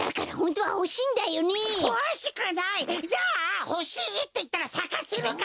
じゃあほしいっていったらさかせるか！？